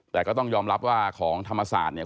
แต่ก็ต้องยอมรับว่าของธรรมศาสตร์เนี่ย